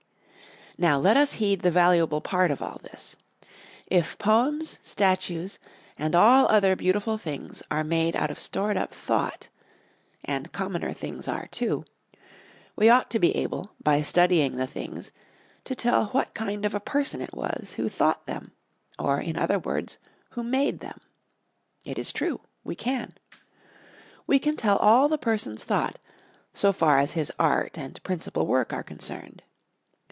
Now let us heed the valuable part of all this. If poems, statues, and all other beautiful things are made out of stored up thought (and commoner things are, too), we ought to be able, by studying the things, to tell what kind of a person it was who thought them; or, in other words, who made them. It is true, we can. We can tell all the person's thought, so far as his art and principal work are concerned.